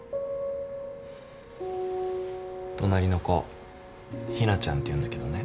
隣の子日菜ちゃんっていうんだけどね